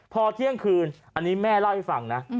พอเที่ยงคืนอันนี้แม่เล่าให้ฟังนะ